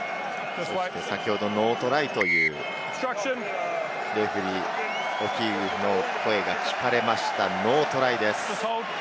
先ほどノートライというレフェリーのオキーフの声が聞かれました、ノートライです。